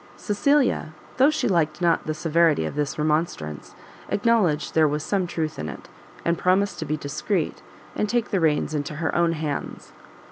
Cecilia, though she liked not the severity of this remonstrance, acknowledged there was some truth in it, and promised to be discreet, and take the reins into her own hands.